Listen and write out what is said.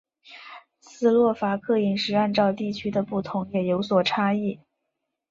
斯洛伐克饮食按照地区的不同也有所差异。